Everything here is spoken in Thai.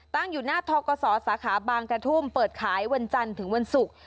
ตั้งอยู่หน้าทกศสาขาบางกระทุ่มเปิดขายวันจันทร์ถึงวันศุกร์